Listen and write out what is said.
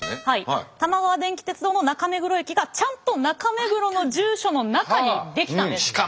はい玉川電気鉄道の中目黒駅がちゃんと中目黒の住所の中に出来たんです。